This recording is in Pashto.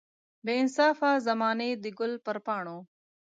بې انصافه زمانې د ګل پر پاڼو.